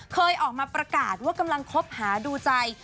เคยออกมาประกาศว่ากำลังคบหาดูใจ